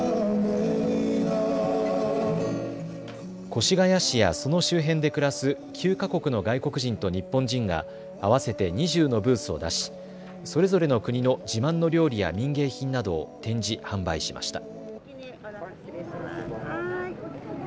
越谷市やその周辺で暮らす９か国の外国人と日本人が合わせて２０のブースを出しそれぞれの国の自慢の料理や民芸品などを展示、販売しました。